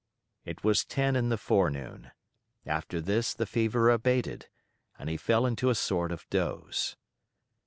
It was ten in the forenoon; after this the fever abated, and he fell into a sort of doze.